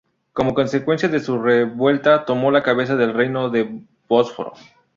Como consecuencia de su revuelta, tomó la cabeza del reino de Bósforo.